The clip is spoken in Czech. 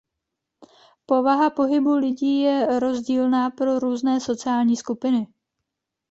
Povaha pohybu lidi je rozdílná pro různé sociální skupiny.